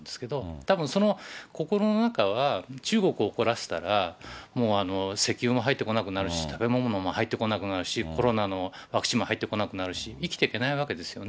たぶんその心の中は、中国を怒らせたら、もう石油も入ってこなくなるし、食べ物も入ってこなくなるし、コロナのワクチンも入ってこなくなるし、生きていけないわけですよね、